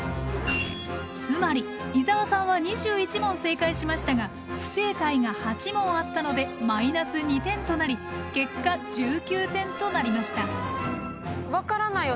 つまり伊沢さんは２１問正解しましたが不正解が８問あったのでマイナス２点となり結果１９点となりました。